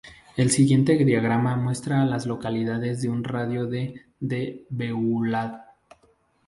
El siguiente diagrama muestra a las localidades en un radio de de Beulah.